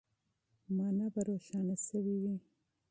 مانا به روښانه سوې وي.